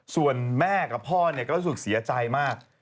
ส่วนแม่กับพ่อก็รู้สึกเสียใจมาก